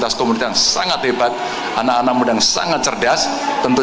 sebentar sebentar sebentar